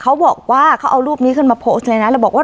เขาบอกว่าเขาเอารูปนี้ขึ้นมาโพสต์เลยนะแล้วบอกว่า